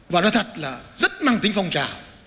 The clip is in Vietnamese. và nó thật là rất mang tính phong trả